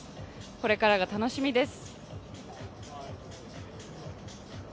これからが楽しみです。